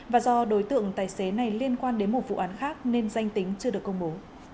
và do đối tượng tài xế này liên quan đến một vụ án khác nên danh tính chưa được công bố